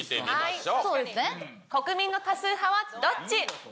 国民の多数派はどっち？